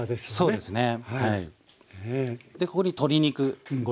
そうですね。